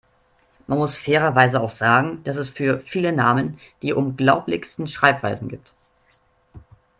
Man muss fairerweise auch sagen, dass es für viele Namen die unglaublichsten Schreibweisen gibt.